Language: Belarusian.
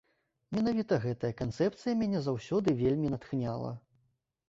Менавіта гэтая канцэпцыя мяне заўсёды вельмі натхняла.